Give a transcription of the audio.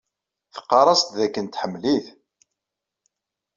Tqarr-as-d dakken tḥemmel-it.